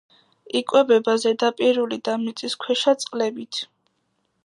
იკვებება ზედაპირული და მიწისქვეშა წყლებით.